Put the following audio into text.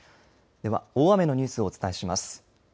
では大雨のニュースをお伝えします。